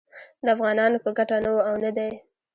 د افغانانو په ګټه نه و او نه دی